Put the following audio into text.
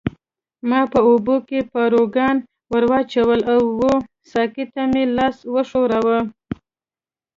ما په اوبو کې پاروګان ورواچول او وه ساقي ته مې لاس وښوراوه.